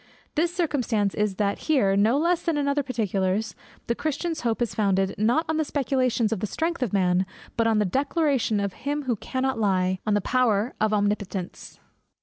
This circumstance is, that here, no less than in other particulars, the Christian's hope is founded, not on the speculations or the strength of man, but on the declaration of Him who cannot lie, on the power of Omnipotence.